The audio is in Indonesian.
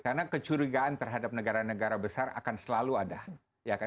karena kecurigaan terhadap negara negara besar akan selalu ada